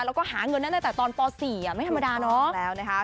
แล้วก็หาเงินได้ตั้งแต่ตอนป๔ไม่ธรรมดาเนาะ